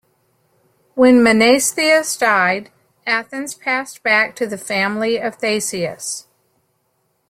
When Menestheus died, Athens passed back to the family of Theseus.